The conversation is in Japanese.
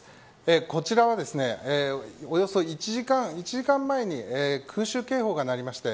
こちらはですねおよそ１時間前に空襲警報が鳴りまして。